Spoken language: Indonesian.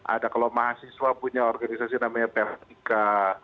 ada kalau mahasiswa punya organisasi namanya pertika